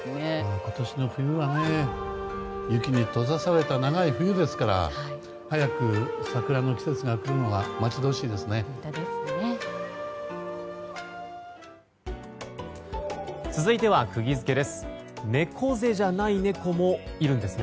今年の冬は雪に閉ざされた長い冬ですから早く桜の季節が来るのが待ち遠しいですね。